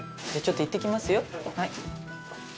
ちょっと行ってきますよ。